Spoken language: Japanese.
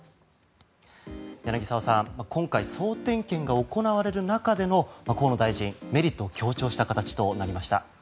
柳澤さん、今回総点検が行われる中での河野大臣、メリットを強調した形となりました。